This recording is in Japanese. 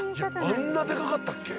あんなでかかったっけ？